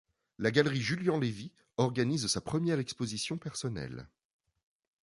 La galerie Julian Levy organise sa première exposition personnelle.